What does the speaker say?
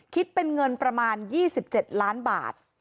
คิดเป็นเงินประมาณ๒๗ล้านบาท